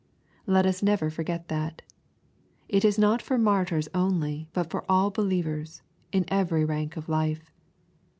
Let us never forget that. It is not for martyrs only, but for all believ ers, in every rank of life.